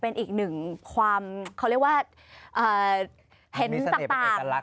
เป็นอีกหนึ่งความเขาเรียกว่าเห็นต่าง